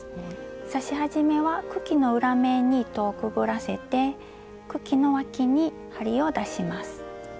刺し始めは茎の裏面に糸をくぐらせて茎の脇に針を出します。